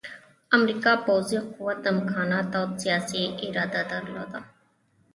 امریکا پوځي قوت، امکانات او سیاسي اراده درلوده